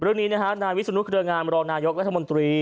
เรื่องนี้นะฮะนายวิศนุเครืองามรองนายกรัฐมนตรี